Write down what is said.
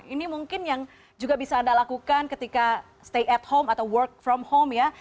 ini mungkin yang juga bisa anda lakukan ketika stay at home atau work from home ya